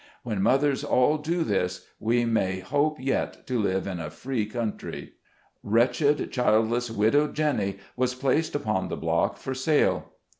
When mothers all do this, we may hope yet to live in a free country. Wretched, childless, widowed Jenny was placed upon the block for sale.